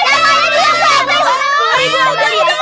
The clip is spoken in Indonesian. aduh jangan dong